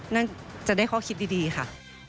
น่าจะได้ข้อคิดดีค่ะ